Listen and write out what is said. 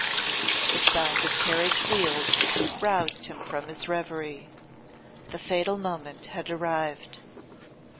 The sound of carriage wheels roused him from his reverie. The fatal moment had arrived.